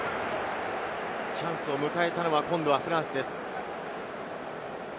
チャンスを迎えたのは今度はフランスです。